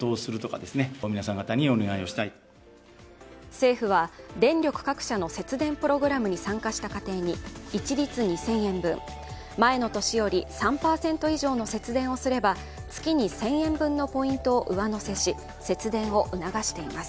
政府は電力各社の節電プログラムに参加した家庭に一律２０００円分、前の年より３％以上の節電をすれば月に１０００円分のポイントを上乗せし節電を促しています。